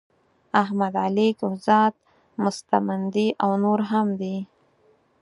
احمد علی کهزاد مستمندي او نور هم دي.